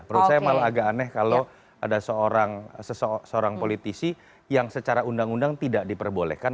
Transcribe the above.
menurut saya malah agak aneh kalau ada seorang politisi yang secara undang undang tidak diperbolehkan